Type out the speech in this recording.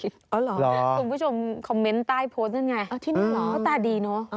อ๋อเหรอคุณผู้ชมคอมเมนต์ใต้โพสต์นั่นไงที่นี่เหรอตาดีเนอะ